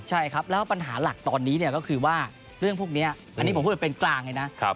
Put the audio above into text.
ใช่ครับแล้วปัญหาหลักตอนนี้เนี่ยก็คือว่าเรื่องพวกนี้อันนี้ผมพูดแบบเป็นกลางเลยนะ